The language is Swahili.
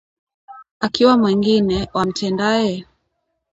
Akiwa mwengine, wamtendaye?